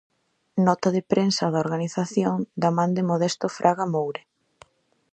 Nota de prensa da organización, da man de Modesto Fraga Moure.